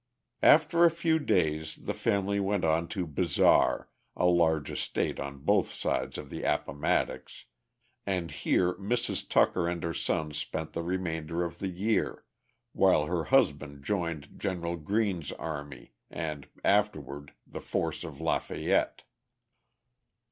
After a few days, the family went on to Bizarre, a large estate on both sides of the Appomattox, and here Mrs. Tucker and her sons spent the remainder of the year, while her husband joined General Greene's army, and afterward, the force of Lafayette.